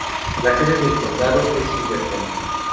La sede del condado es Silverton.